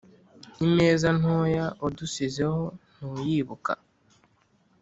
imeza ntoya wadusizeho ntuyibuka